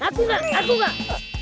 aku gak aku gak